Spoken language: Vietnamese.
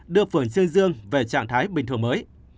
đưa phường trương dương về trạng thái bình thường mới